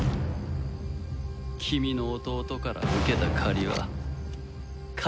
君の弟から受けた借りは返すよ。